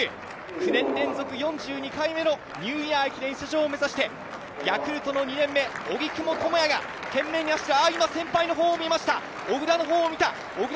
９年連続４２回目のニューイヤー駅伝出場を目指してヤクルトの２年目、荻久保寛也が懸命に走って今、先輩の方を見ました、小椋の方を見た。